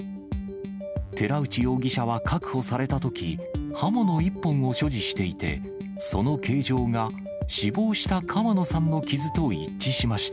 寺内容疑者は確保されたとき、刃物１本を所持していて、その形状が死亡した川野さんの傷と一致しました。